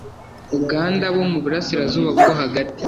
Uganda bo mu Burasirazuba bwo hagati